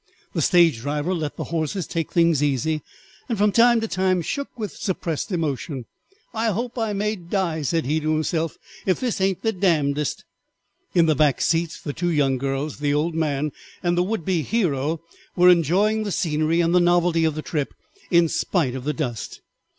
The stage driver let the horses take things easy, and from time to time shook with suppressed emotion. "I hope I may die," said he to himself, "if this ain't the damndest." In the back seats the two young girls, the old man, and the would be hero were enjoying the scenery and the novelty of the trip in spite of the dust.